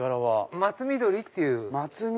松美酉っていう。